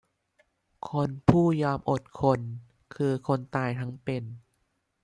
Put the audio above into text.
คนผู้ยอมอดทน คือคนตายทั้งเป็น